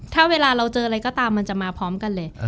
ถ้าเวลาเราเจออะไรก็ตามมันจะมาพร้อมกันเลย